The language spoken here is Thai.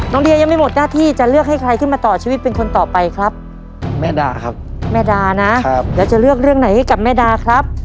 เดียยังไม่หมดหน้าที่จะเลือกให้ใครขึ้นมาต่อชีวิตเป็นคนต่อไปครับแม่ดาครับแม่ดานะครับแล้วจะเลือกเรื่องไหนให้กับแม่ดาครับ